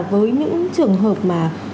với những trường hợp mà